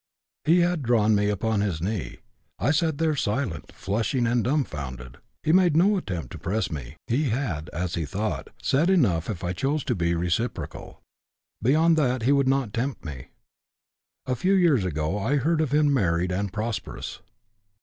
He had drawn me upon his knee; I sat there silent, flushing and dumbfounded. He made no attempt to press me; he had, as he thought, said enough if I chose to be reciprocal; beyond that he would not tempt me. A few years ago I heard of him married and prosperous.